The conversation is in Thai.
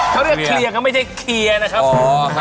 เขาเรียกเคลียร์ก็ไม่ได้เคลียร์นะครับ